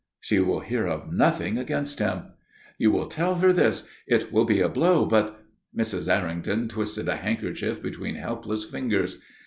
"She will hear of nothing against him." "You will tell her this. It will be a blow; but " Mrs. Errington twisted a handkerchief between helpless fingers.